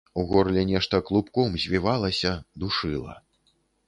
У горле нешта клубком звівалася, душыла.